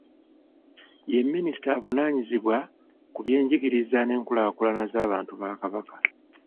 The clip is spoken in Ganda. Ye minisita avunaanyizibwa ku by'enjigiriza n'enkulaakulana z'abantu ba Kabaka.